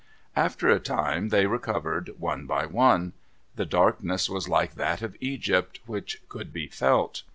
After a time they recovered one by one. The darkness was like that of Egypt, which could be felt.